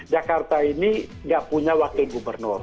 jakarta ini gak punya wakil gubernur